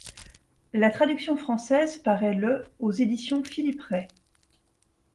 La traduction française paraît le aux éditions Philippe Rey.